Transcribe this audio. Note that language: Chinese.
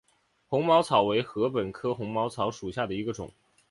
红毛草为禾本科红毛草属下的一个种。